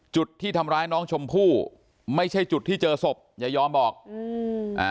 จุดที่ทำร้ายน้องชมพู่ไม่ใช่จุดที่เจอศพอย่ายอมบอกอืมอ่า